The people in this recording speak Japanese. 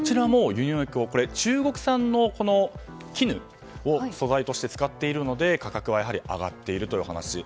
中国産の絹を素材として使っているので価格として上がっているという話。